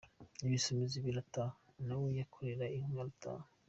Ibisumizi birataha, na we yikorera inkwi arataha.